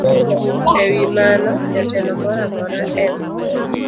E wi mano, jatelo moro amora e m